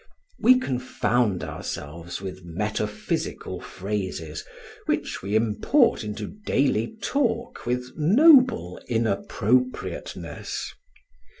We confound ourselves with metaphysical phrases, which we import into daily talk with noble inappropriateness.